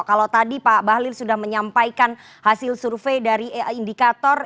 kalau tadi pak bahlil sudah menyampaikan hasil survei dari indikator